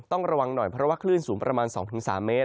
ต้องระวังหน่อยเพราะว่าคลื่นสูงประมาณ๒๓เมตร